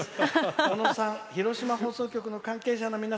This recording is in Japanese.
小野さん広島放送局の関係者の皆様